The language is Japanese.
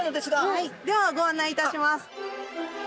はいではご案内いたします。